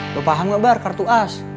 gue paham gak bar kartu as